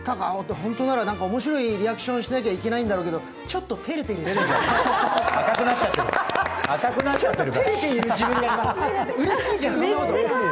本当なら面白いリアクションしなきゃいけないんだろうけどちょっと照れている自分がいます。